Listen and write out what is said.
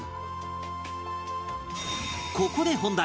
ここで本題！